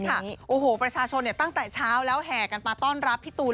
โอ้โหประชาชนตั้งแต่เช้าแล้วแห่กันมาต้อนรับพี่ตูน